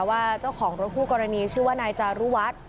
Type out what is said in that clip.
ว่าเจ้าของรถคู่กรณีชื่อว่านายจารุวัฒน์